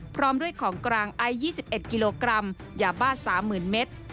พร้อมด้วยของกลางไอ๒๑กิโลกรัมยาบ้า๓๐๐๐เมตร